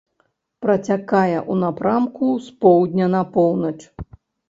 Працякае ў напрамку з поўдня на поўнач.